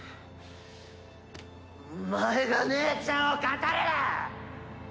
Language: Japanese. お前が姉ちゃんを語るな！